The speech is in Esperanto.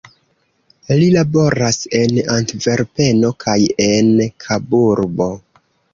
Li laboras en Antverpeno kaj en Kaburbo.